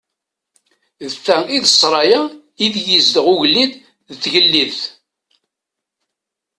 D ta i d ssṛaya ideg izdeɣ ugellid d tgellidt.